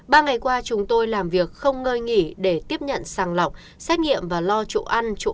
ba ngày qua chúng tôi làm việc không ngơi nghỉ để tiếp nhận sàng lọc xét nghiệm và lo chỗ ăn chỗ